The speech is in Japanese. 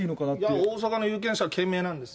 大阪の有権者は懸命なんですよ。